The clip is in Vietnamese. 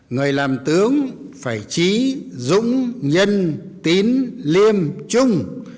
người làm tướng phải trí dũng nhân tín liêm trung